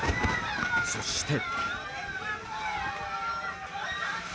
そして。